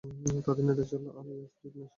তাদের নেতা ছিলেন আল ইয়াসূর ইবন শাদ ইয়াসূরা।